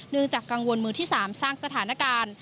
จากกังวลมือที่๓สร้างสถานการณ์